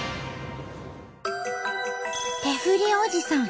手振りおじさん